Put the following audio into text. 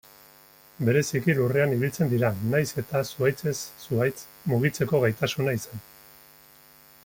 Bereziki lurrean ibiltzen dira, nahiz eta zuhaitzez-zuhaitz mugitzeko gaitasuna izan.